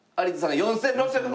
４６００万。